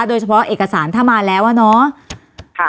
โดยเฉพาะเอกสารถ้ามาแล้วอะเนาะ